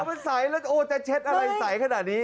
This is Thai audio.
มันใสแล้วโอ้จะเช็ดอะไรใสขนาดนี้